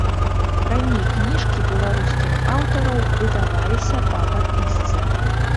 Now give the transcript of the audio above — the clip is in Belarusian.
Раней кніжкі беларускіх аўтараў выдаваліся па падпісцы.